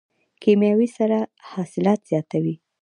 کیمیاوي سره حاصلات زیاتوي.